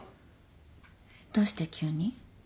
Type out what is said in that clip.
どうして急に？